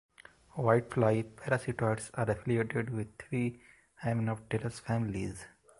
Whitefly parasitoids are affiliated with three hymenopterous families.